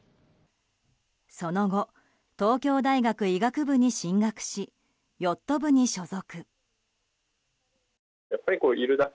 その後、東京大学医学部に進学しヨット部に所属。